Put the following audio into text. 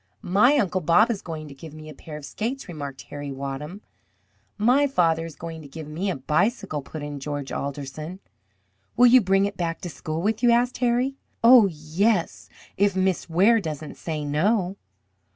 "My Uncle Bob is going to give me a pair of skates," remarked Harry Wadham. "My father is going to give me a bicycle," put in George Alderson. "Will you bring it back to school with you?" asked Harry. "Oh! yes, if Miss Ware doesn't say no."